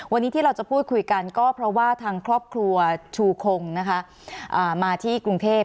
วันนี้ที่เราจะพูดคุยกันก็เพราะว่าทางครอบครัวชูคงนะคะมาที่กรุงเทพ